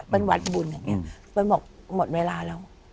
เป็นวัดบุญอย่างนี้เปิ้ลบอกหมดเวลาแล้ว